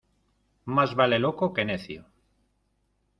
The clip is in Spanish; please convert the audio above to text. Más vale loco que necio.